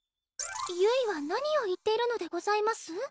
ゆいは何を言っているのでございます？